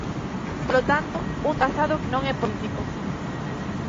Polo tanto, un trazado que non é político.